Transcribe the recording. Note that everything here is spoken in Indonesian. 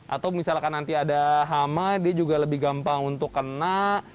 atau misalkan nanti ada hama dia juga lebih gampang untuk kena